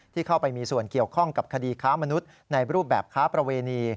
เข้าไปมีส่วนเกี่ยวข้องกับคดีค้ามนุษย์ในรูปแบบค้าประเวณี